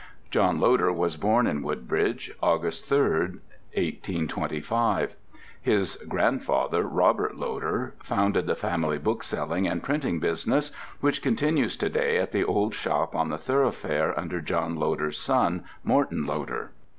John Loder was born in Woodbridge, August 3, 1825. His grandfather, Robert Loder, founded the family bookselling and printing business, which continues to day at the old shop on the Thoroughfare under John Loder's son, Morton Loder.